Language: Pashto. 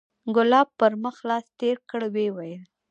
ګلاب پر مخ لاس تېر کړ ويې ويل.